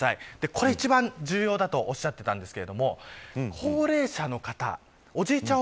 これが、一番重要だとおっしゃっていたんですが高齢者の方おじいちゃん